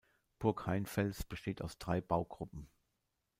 Burg Heinfels besteht aus drei Baugruppen.